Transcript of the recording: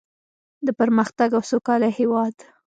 د پرمختګ او سوکالۍ هیواد.